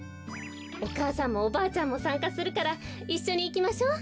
お母さんもおばあちゃんもさんかするからいっしょにいきましょう。